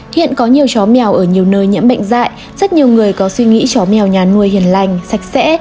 hiện có nhiều chó mèo ở nhiều nơi nhiễm bệnh dạy rất nhiều người có suy nghĩ chó mèo nhà nuôi hiền lành sạch sẽ